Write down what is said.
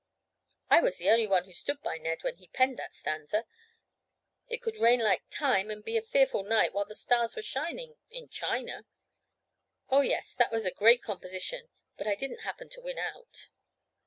"I was the only one who stood by Ned when he penned that stanza. It could rain like time and be a fearful night while the stars were shining—in China. Oh, yes, that was a great composition, but I didn't happen to win out."